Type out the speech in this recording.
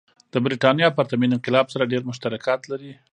د برېټانیا پرتمین انقلاب سره ډېر مشترکات لري.